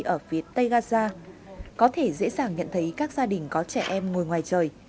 ở phía tây gaza có thể dễ dàng nhận thấy các gia đình có trẻ em ngồi ngoài trời